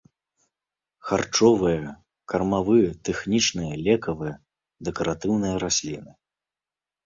Харчовыя, кармавыя, тэхнічныя, лекавыя, дэкаратыўныя расліны.